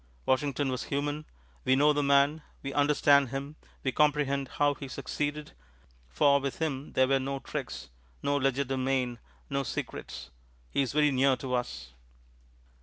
Washington was human. We know the man; we understand him; we comprehend how he succeeded, for with him there were no tricks, no legerdemain, no secrets. He is very near to us.